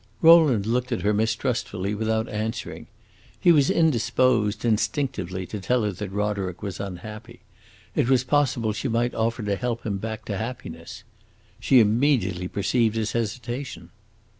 Rowland looked at her mistrustfully, without answering. He was indisposed, instinctively, to tell her that Roderick was unhappy; it was possible she might offer to help him back to happiness. She immediately perceived his hesitation.